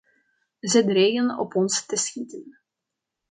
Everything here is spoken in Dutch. Ze dreigen op ons te schieten.